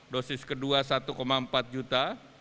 dosis kedua satu empat juta